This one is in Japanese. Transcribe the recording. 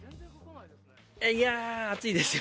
いやぁ、暑いですよ。